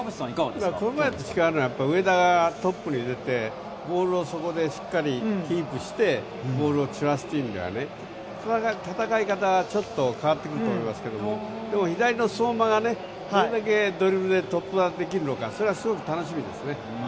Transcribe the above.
上田がトップに出てボールをそこでしっかりキープしてボールを散らすという意味では戦い方、ちょっと変わってくると思いますがでも左の相馬がどれだけドリブルで突破ができるのかそれはすごく楽しみですね。